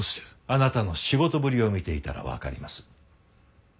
あなたの仕事ぶりを見ていたらわかります。